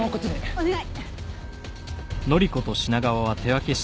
お願い！